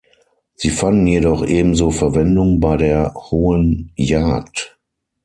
Sie fanden jedoch ebenso Verwendung bei der Hohen Jagd.